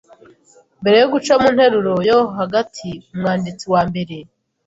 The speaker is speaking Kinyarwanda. mbere yo guca mu nteruro yo hagati Umwanditsi wa mbere